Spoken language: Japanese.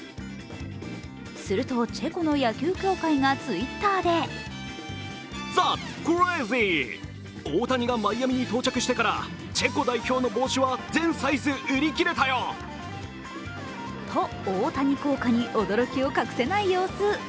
すると、チェコの野球協会がＴｗｉｔｔｅｒでと、大谷効果に驚きを隠せない様子。